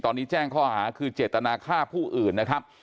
ตอนนี้แจ้งข้อหาคือเจตนาฆ่าผู้อื่นนะครับ